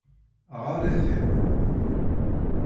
Ɣeṛ-it-id.